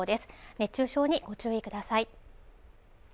熱中症にご注意ください